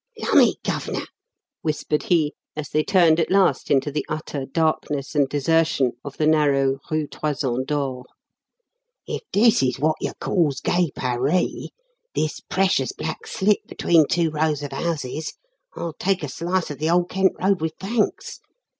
"Lumme, Gov'nor," whispered he, as they turned at last into the utter darkness and desertion of the narrow Rue Toison d'Or, "if this is wot yer calls Gay Paree this precious black slit between two rows of houses I'll take a slice of the Old Kent Road with thanks.